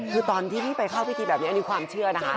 คือตอนที่พี่ไปเข้าพิธีแบบนี้อันนี้ความเชื่อนะคะ